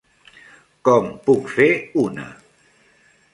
Com puc fer una??